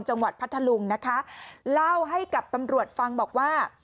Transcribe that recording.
พัทธลุงนะคะเล่าให้กับตำรวจฟังบอกว่า